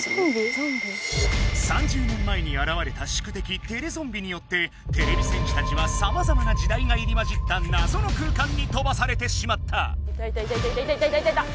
３０年前にあらわれたしゅくてきテレゾンビによっててれび戦士たちはさまざまな時代が入り混じったなぞの空間にとばされてしまった。